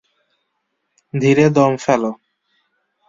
ধীরে দম ফেলো।